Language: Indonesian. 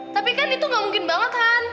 tapi kan itu ga mungkin banget han